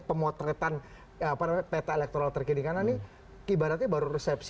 pemotretan peta elektoral terkini karena ini ibaratnya baru resepsi